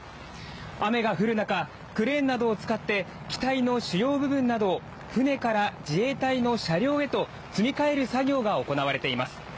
雨が降る中クレーンなどを使って機体の主要部分などを船から自衛隊の車両へと積み替える作業が行われています。